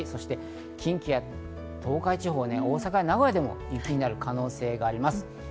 近畿や東海地方、大阪、名古屋でも雪になる可能性があります。